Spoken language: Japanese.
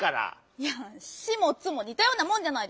いや「シ」も「ツ」もにたようなもんじゃないですか。